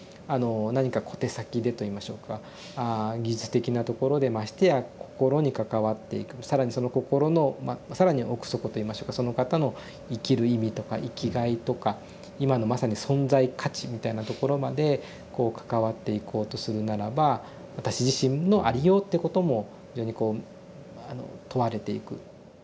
何か小手先でといいましょうか技術的なところでましてや心に関わっていく更にその心の更に奥底といいましょうかその方の生きる意味とか生きがいとか今のまさに存在価値みたいなところまでこう関わっていこうとするならば私自身のありようってことも非常にこうあの問われていく。